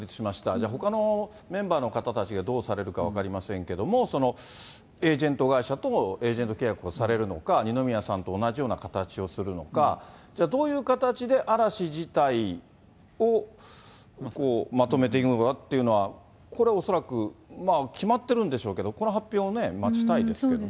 じゃあ、ほかのメンバーの方たちがどうされるか分かりませんけれども、エージェント会社とエージェント契約をされるのか、二宮さんと同じような形をするのか、じゃあ、どういう形で嵐自体をまとめていくのかっていうのは、これ、おそらくまあ、決まってるんでしょうけど、この発表ね、待ちたいですけどね。